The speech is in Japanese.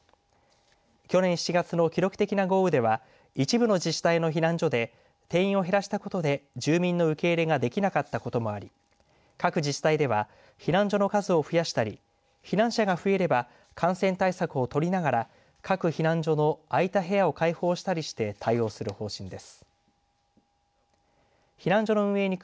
去年７月の記録的な豪雨では一部の自治体の避難所で定員を減らしたことで住民の受け入れができなかったこともあり各自治体では避難所の数を増やしたり避難者が増えれば感染対策をとりながら各避難所のあいた部屋など開放したりして対応する方針です。